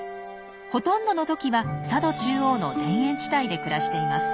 ほとんどのトキは佐渡中央の田園地帯で暮らしています。